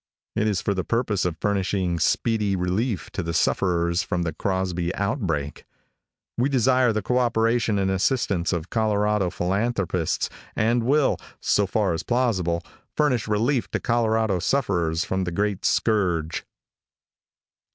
It is for the purpose of furnishing speedy relief to the sufferers from the Crosby outbreak. We desire the cooperation and assistance of Colorado philanthropists, and will, so far as possible, furnish relief to Colorado sufferers from the great scourge.